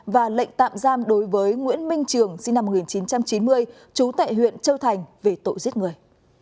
và lệnh tạm giam đối với nguyễn minh trường sinh năm một nghìn chín trăm chín mươi trú tại huyện châu thành về tội giết người